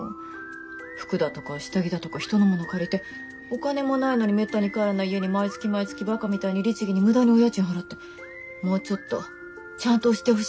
服だとか下着だとか人のもの借りてお金もないのにめったに帰らない家に毎月毎月バカみたいに律儀に無駄にお家賃払ってもうちょっとちゃんとしてほしいのいいかげん。